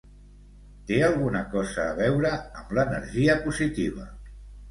Té alguna cosa a veure amb l'energia positiva.